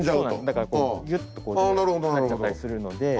だからこうギュッとこうなっちゃったりするので。